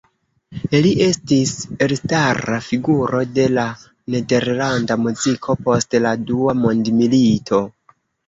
Li estis elstara figuro de la nederlanda muziko post la dua mondmilito.